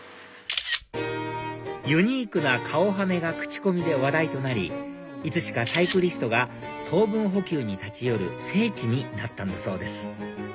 ユニークな顔はめが口コミで話題となりいつしかサイクリストが糖分補給に立ち寄る聖地になったんだそうです